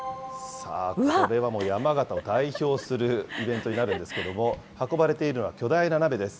さあこれはもう、山形を代表するイベントになるんですけれども、運ばれているのは巨大な鍋です。